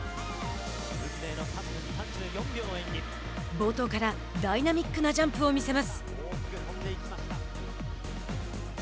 冒頭から、ダイナミックなジャンプを見せます。